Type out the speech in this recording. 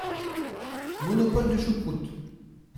Monopole de choucroute.